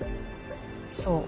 そう。